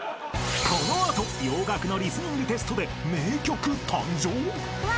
［この後洋楽のリスニングテストで名曲誕生！？］